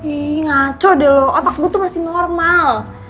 ih ngaco deh kamu otakmu masih normal